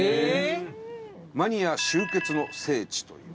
マニア集結の聖地という。